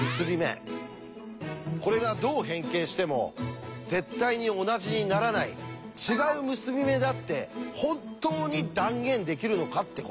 これがどう変形しても絶対に同じにならない違う結び目だって本当に断言できるのかってこと。